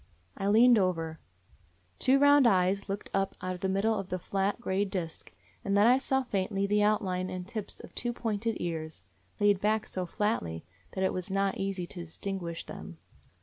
I leaned over ; two round eyes looked up out of the middle of the flat, gray disk, and then I saw faintly the outline and tips of two pointed ears, laid back so flatly that it was not easy to distinguish them.